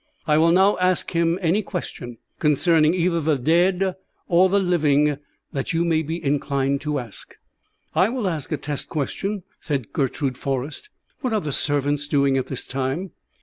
I will now ask him any question, concerning either the dead or the living, that you may be inclined to ask." "I will ask a test question," said Gertrude Forrest. "What are the servants doing at this time?"